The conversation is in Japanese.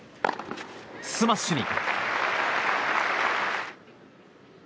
スマッシュに。